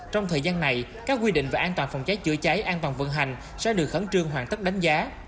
trong thời gian này các quy định về an toàn phòng cháy chữa cháy an toàn vận hành sẽ được khẩn trương hoàn tất đánh giá